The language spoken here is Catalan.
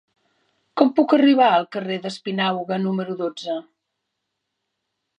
Com puc arribar al carrer d'Espinauga número dotze?